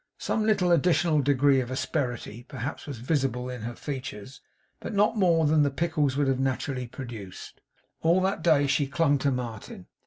Some little additional degree of asperity, perhaps, was visible in her features, but not more than the pickles would have naturally produced. All that day she clung to Martin.